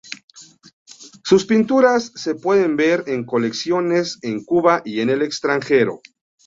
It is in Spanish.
Sus pinturas se pueden ver en colecciones en Cuba y en el extranjero.